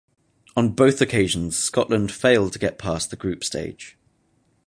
On both occasions Scotland failed to get past the group stage.